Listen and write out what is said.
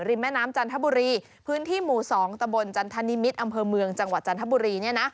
แม่น้ำจันทบุรีพื้นที่หมู่๒ตะบนจันทนิมิตรอำเภอเมืองจังหวัดจันทบุรี